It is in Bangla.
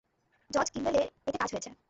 জজ কিম্বলের এতে কাজ হয়েছে।